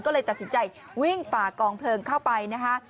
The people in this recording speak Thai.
ก็เลยตัดสินใจวิ่งฝ่ากองเพลิงเข้าไปนะคะ